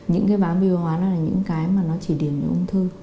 những cái bám vi vôi hóa là những cái mà nó chỉ điền những ung thư